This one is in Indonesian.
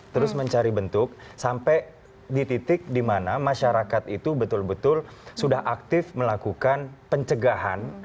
terus mencari bentuk sampai di titik di mana masyarakat itu betul betul sudah aktif melakukan pencegahan